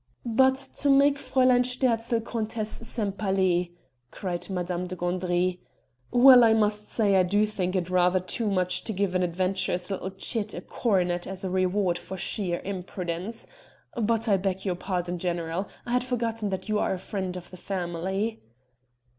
"But to make Fräulein Sterzl Countess Sempaly!" cried Madame de Gandry. "Well, I must say I do think it rather too much to give an adventurous little chit a coronet as a reward for sheer impudence. But I beg your pardon, general, I had forgotten that you are a friend of the family."